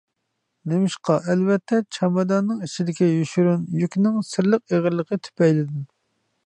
نېمىشقا؟ ئەلۋەتتە، چاماداننىڭ ئىچىدىكى يوشۇرۇن يۈكنىڭ سىرلىق ئېغىرلىقى تۈپەيلىدىن.